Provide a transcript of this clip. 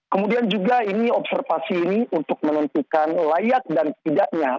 kemudian juga ini observasi ini untuk menentukan layak dan tidaknya